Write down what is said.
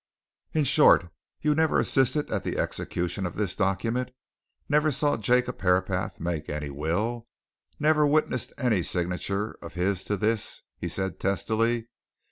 "In short, you never assisted at the execution of this document never saw Jacob Herapath make any will never witnessed any signature of his to this?" he said testily.